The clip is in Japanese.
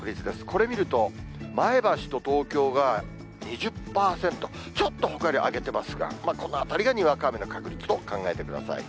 これ見ると、前橋と東京が２０％、ちょっとほかより上げてますが、このあたりがにわか雨の確率と考えてください。